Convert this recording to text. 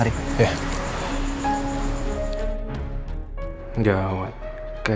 aku juga mau disesuai